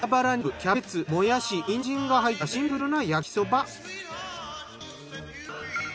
キャベツもやしニンジンが入ったシンプルな焼きそば。